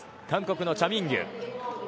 韓国のチャ・ミンギュ。